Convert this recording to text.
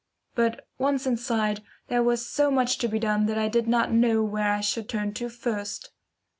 But once inside, there was so much to be done that I did not know what I should turn to first.